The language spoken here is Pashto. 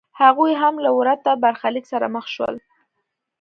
هغوی هم له ورته برخلیک سره مخ شول.